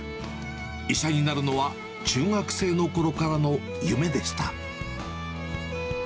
医者になるのは、中学生のころからの夢でした。